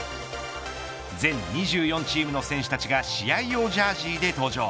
全２４チームの選手たちが試合用ジャージで登場。